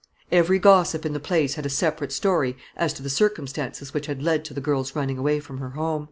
Every gossip in the place had a separate story as to the circumstances which had led to the girl's running away from her home.